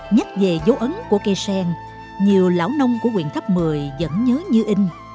nhắc về dấu ấn của cây sen nhiều lão nông của quyện tháp một mươi vẫn nhớ như in